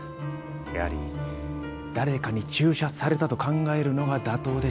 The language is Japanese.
やはり誰かに注射されたと考えるのが妥当でしょうね。